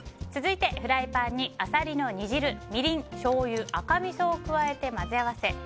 続いて、フライパンにアサリの煮汁みりん、しょうゆ赤みそを加えて混ぜ合わせ